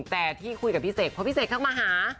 แต่ที่คุยกับพี่เสกเพราะพี่เสกเข้ามาหา